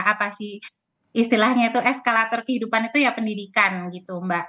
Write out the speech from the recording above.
apa sih istilahnya itu eskalator kehidupan itu ya pendidikan gitu mbak